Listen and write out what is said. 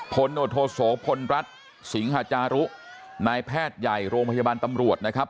โนโทโสพลรัฐสิงหาจารุนายแพทย์ใหญ่โรงพยาบาลตำรวจนะครับ